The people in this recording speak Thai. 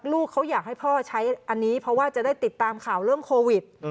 ลูกเขาอยากให้พ่อใช้อันนี้เพราะว่าจะได้ติดตามข่าวเรื่องโควิด